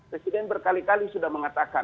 presiden berkali kali sudah mengatakan